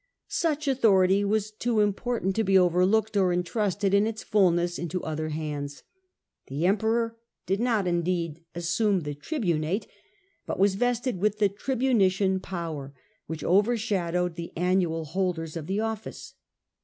Such authority was too important to be overlooked or intrusted in its fulness into other hands. The Emperor did not, indeed, assume the tribunate, but was vested with the tribunician power which overshadowed the annual holders of the office.